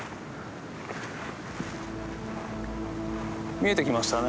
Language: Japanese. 見えてきましたね